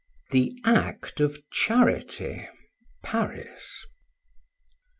THE ACT OF CHARITY. PARIS.